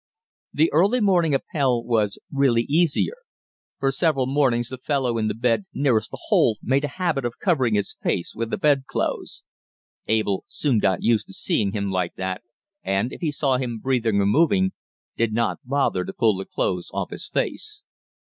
The early morning Appell was really easier. For several mornings the fellow in the bed nearest the hole made a habit of covering his face with the bed clothes. Abel soon got used to seeing him like that, and, if he saw him breathing or moving, did not bother to pull the clothes off his face.